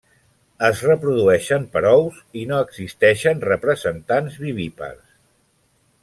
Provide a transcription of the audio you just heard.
Es reprodueixen per ous i no existeixen representants vivípars.